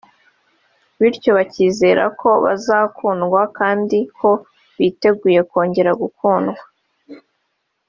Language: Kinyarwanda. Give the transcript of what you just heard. bityo bakizera ko bazakundwa kandi ko biteguye kongera gukundwa